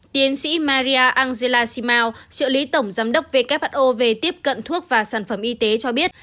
tiến sĩ maria angela simau trợ lý tổng giám đốc who về tiếp cận thuốc và sản phẩm y tế cho biết